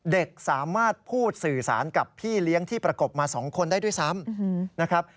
เด็กสามารถพูดสื่อสารกับพี่เลี้ยงที่ประกบมา๒คนได้ด้วยซ้ำนะครับ